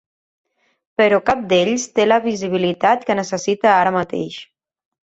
Però cap d’ells té la visibilitat que necessita ara mateix.